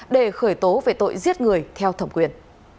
để khởi tố về tội giết người theo thẩm quyền